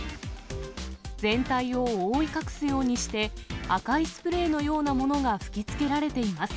全体を覆い隠すようにして、赤いスプレーのようなものが吹きつけられています。